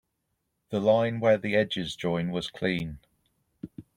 The line where the edges join was clean.